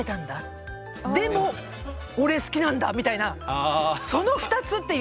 でも俺好きなんだ」みたいなその２つっていう。